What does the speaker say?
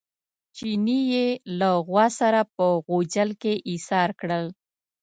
چیني یې له غوا سره په غوجل کې ایسار کړل.